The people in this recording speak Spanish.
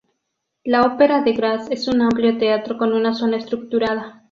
La Ópera de Graz es un amplio teatro con una zona estructurada.